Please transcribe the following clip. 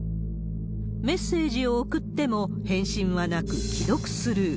メッセージを送っても返信はなく、既読スルー。